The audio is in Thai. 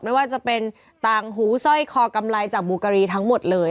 ไม่ว่าจะเป็นต่างหูสร้อยคอกำไรจากบุการีทั้งหมดเลย